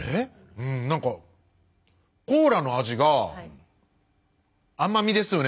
うんなんかコーラの味が甘みですよね